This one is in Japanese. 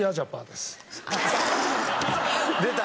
出た！